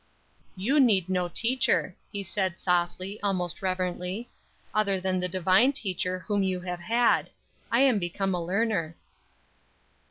"You need no teacher," he said softly, almost reverently, "other than the divine Teacher whom you have had. I am become a learner."